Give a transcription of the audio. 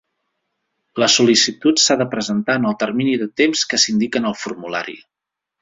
La sol·licitud s'ha de presentar en el termini de temps que s'indica en el formulari.